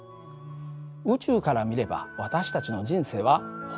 宇宙から見れば私たちの人生はほんの一瞬です。